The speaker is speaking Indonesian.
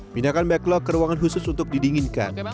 pindahkan backlog ke ruangan khusus untuk didinginkan